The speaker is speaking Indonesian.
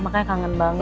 makanya kangen banget